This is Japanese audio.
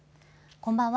こんばんは。